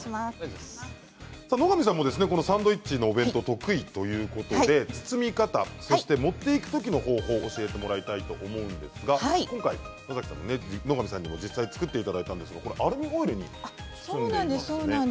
野上さんはサンドイッチのお弁当得意ということで包み方、そして持っていく時の方法を教えてもらいたいと思うんですが今回、野上さんにも実際作っていただいたんですがアルミホイルに包んでいますね。